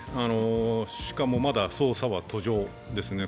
しかもまだ捜査は途上ですね。